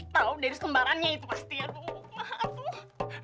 tahu dari selebarannya itu pasti aduh